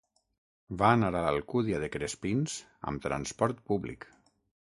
Va anar a l'Alcúdia de Crespins amb transport públic.